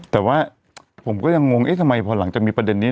แต่ว่าผมก็ยังงงเอ๊ะทำไมพอหลังจากมีประเด็นนี้